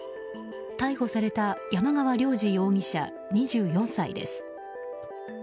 逮捕された山川涼児容疑者、２４歳です。